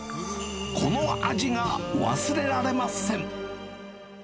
この味が忘れられません。